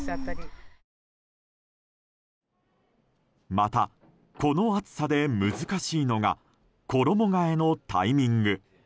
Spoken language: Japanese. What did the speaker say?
また、この暑さで難しいのが衣替えのタイミング。